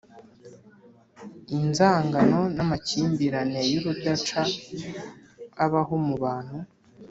inzangano n’amakimbirane y’urudaca abaho mu bantu,